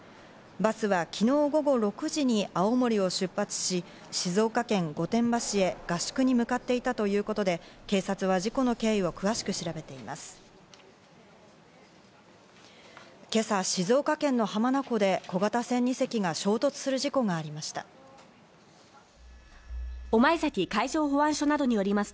バスは昨日午後６時に青森を出発し、静岡県御殿場市へ合宿に向かっていたということで、警察が事故の経緯を詳しく調べています。